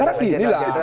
karena gini lah